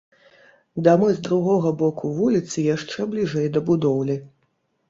Дамы з другога боку вуліцы яшчэ бліжэй да будоўлі.